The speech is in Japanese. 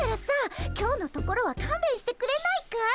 今日のところはかんべんしてくれないかい？